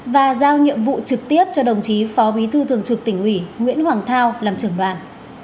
và giao nhiệm vụ trực tiếp cho đồng chí phó bí thư thường trực tỉnh ủy nguyễn hoàng thao làm trưởng đoàn